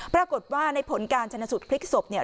ปรากฏว่าในผลการชนะสูตรพลิกศพเนี่ย